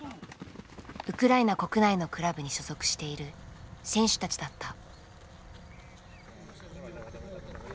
ウクライナ国内のクラブに所属している選手たちだった。